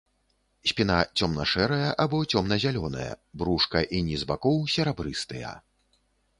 Спіна цёмна-шэрая або цёмна-зялёная, брушка і ніз бакоў серабрыстыя.